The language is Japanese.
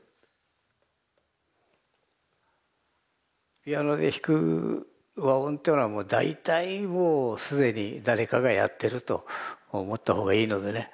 ピアノで弾く和音っていうのはもう大体もう既に誰かがやってると思ったほうがいいのでね。